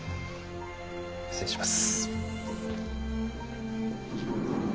失礼します。